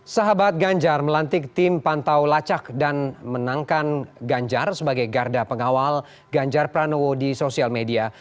sahabat ganjar melantik tim pantau lacak dan menangkan ganjar sebagai garda pengawal ganjar pranowo di sosial media